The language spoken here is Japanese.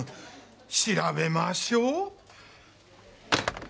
調べましょう！